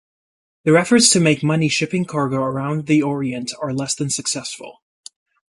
Their efforts to make money shipping cargo around the Orient are less than successful.